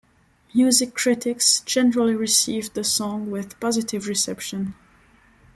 Music critics generally received the song with positive reception.